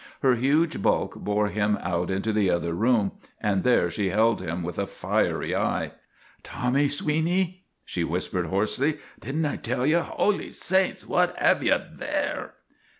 Her huge bulk bore him out into the other room, and there she held him with a fiery eye. " Tommy Sweeney," she whispered hoarsely, " did n't I tell ye Holy saints ! What have ye there?"